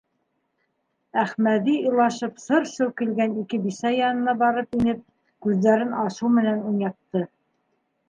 Әхмәҙи, илашып сыр-сыу килгән ике бисә янына барып инеп, күҙҙәрен асыу менән уйнатты: